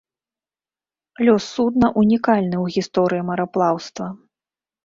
Лёс судна ўнікальны ў гісторыі мараплаўства.